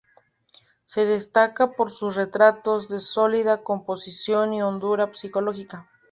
Se destaca por sus retratos, de sólida composición y hondura psicológica.